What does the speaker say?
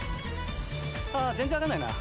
全然分かんないな。